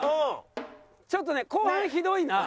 ちょっとね後半ひどいな。